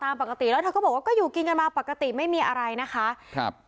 ปกติแล้วเธอก็บอกว่าก็อยู่กินกันมาปกติไม่มีอะไรนะคะครับ